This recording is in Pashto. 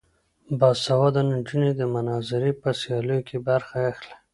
باسواده نجونې د مناظرې په سیالیو کې برخه اخلي.